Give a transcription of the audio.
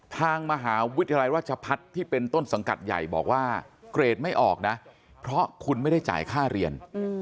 ทางมหาวิทยาลัยราชพัฒน์ที่เป็นต้นสังกัดใหญ่บอกว่าเกรดไม่ออกนะเพราะคุณไม่ได้จ่ายค่าเรียน